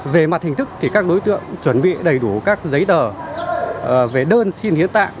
về mặt hình thức thì các đối tượng chuẩn bị đầy đủ các giấy tờ về đơn xin hiến tạng